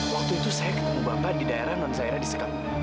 waktu itu saya ketemu bapak di daerah anwar zahir di sekap